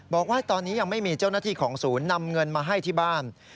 บอกว่าตอนนี้ยังไม่มีเจ้าหน้าที่ของศูนย์นำเงินมาให้ที่บ้าน